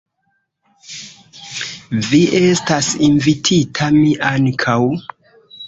Vi estas invitita, mi ankaŭ.